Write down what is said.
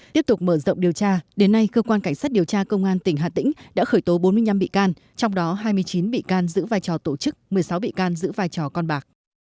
tiếp tục mở rộng điều tra đến nay cơ quan cảnh sát điều tra công an tỉnh hà tĩnh đã khởi tố bốn mươi năm bị can trong đó hai mươi chín bị can giữ vai trò tổ chức một mươi sáu bị can giữ vai trò con bạc